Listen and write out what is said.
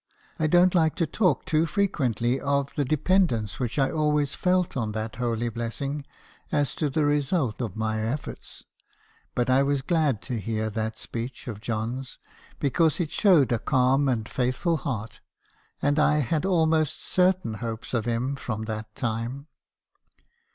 I don't like to talk too frequently of the dependence which I always felt on that holy blessing, as to the result of my efforts ; but I was glad to hear that speech of John's , because it showed a calm and faithful heart; and I had almost certain hopes of him from that time.